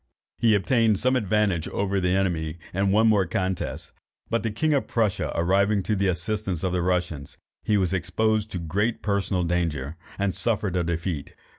He obtained some advantage over the enemy in one more contest, but the king of Prussia arriving to the assistance of the Russians, he was exposed to great personal danger, and suffered a defeat.